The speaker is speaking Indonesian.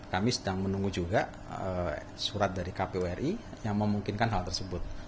kami sedang menunggu juga surat dari kpu ri yang memungkinkan hal tersebut